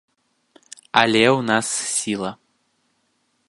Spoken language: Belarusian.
Але ў нас сіла.